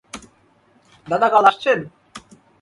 দাদা কাল আসছেন?